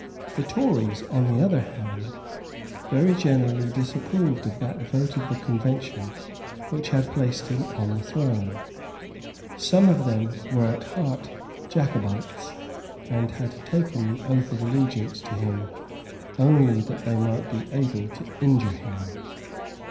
The Tories, on the other hand, very generally disapproved of that vote of the Convention which had placed him on the throne. Some of them were at heart Jacobites, and had taken the oath of allegiance to him only that they might be able to injure him.